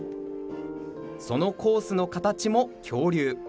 そのコースの形も恐竜。